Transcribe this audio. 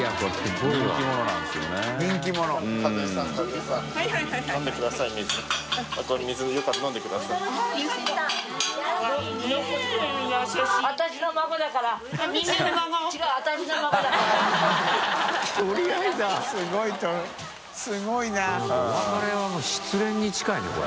これお別れはもう失恋に近いねこれ。